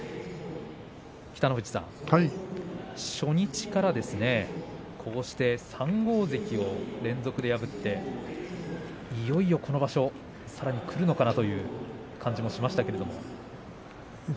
北の富士さん、初日からこうして３大関を連続で破っていよいよ、この場所さらにくるのかなという感じもしましたけれど。